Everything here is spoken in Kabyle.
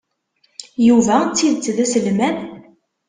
Yuba d tidet d aselmad?